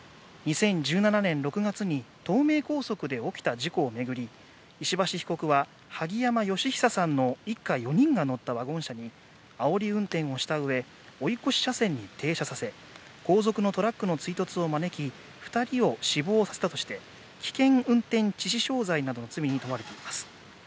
２０１７年６月に東名高速で起きた事故を巡り、萩山嘉久さんの一家４人が乗ったワゴン車にあおり運転をしたうえ、追い越し車線に停車させ、後続のトラックの追突を招き、２人を死亡させたとして危険運転致死傷罪などの罪に問われています。